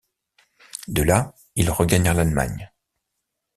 De là, ils regagnèrent l'Allemagne.